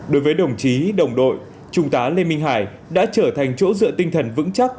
đối với đồng chí đồng đội trung tá lê minh hải đã trở thành chỗ dựa tinh thần vững chắc